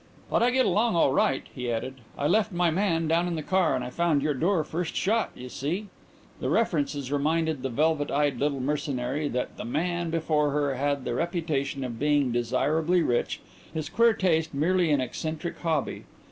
"But I get along all right," he added. "I left my man down in the car and I found your door first shot, you see." The references reminded the velvet eyed little mercenary that the man before her had the reputation of being quite desirably rich, his queer taste merely an eccentric hobby.